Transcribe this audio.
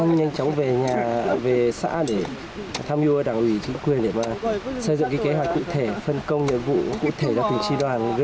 nhanh chóng về xã để tham dự đảng ủy chính quyền để xây dựng kế hoạch cụ thể phân công nhiệm vụ cụ thể là từng tri đoàn